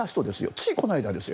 ついこの間ですよ。